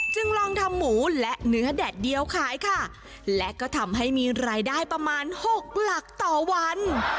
ลองทำหมูและเนื้อแดดเดียวขายค่ะและก็ทำให้มีรายได้ประมาณหกหลักต่อวัน